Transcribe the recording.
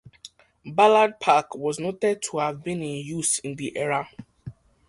Ballard Park was noted to have been in use in the era.